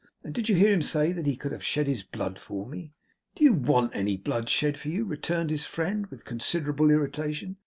And did you hear him say that he could have shed his blood for me?' 'Do you WANT any blood shed for you?' returned his friend, with considerable irritation.